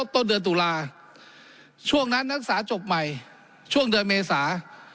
ต้นเดือนตุลาช่วงนั้นนักศึกษาจบใหม่ช่วงเดือนเมษา